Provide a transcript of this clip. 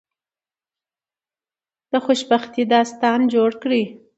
د خوشبختی داستان جوړ کړی.